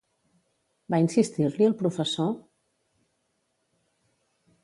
Va insistir-li el professor?